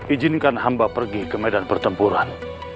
izinkan hamba pergi ke medan pertempuran